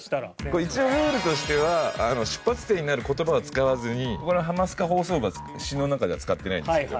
これ一応ルールとしては出発点になる言葉は使わずにこれ「ハマスカ放送部」は詩の中では使ってないんですけど。